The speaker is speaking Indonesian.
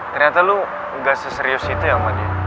ternyata lu gak seserius itu ya mama dia